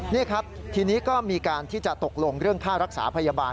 นี่ครับทีนี้ก็มีการที่จะตกลงเรื่องค่ารักษาพยาบาล